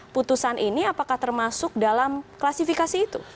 putusan ini apakah termasuk dalam klasifikasi itu